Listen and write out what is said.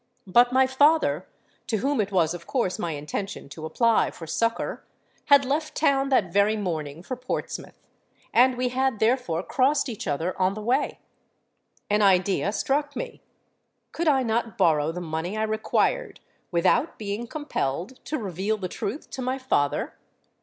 But my father, to whom it was of course my intention to apply for succour, had left town that very morning for Portsmouth; and we had therefore crossed each other on the way. An idea struck me:—could I not borrow the money I required without being compelled to reveal the truth to my father?